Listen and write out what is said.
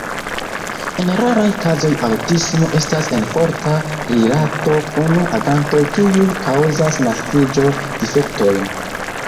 En raraj kazoj aŭtismo estas en forta rilato kun agantoj kiuj kaŭzas naskiĝo-difektojn.